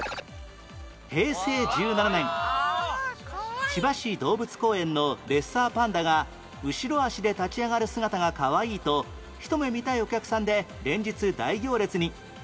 平成１７年千葉市動物公園のレッサーパンダが後ろ足で立ち上がる姿がかわいいとひと目見たいお客さんで連日大行列に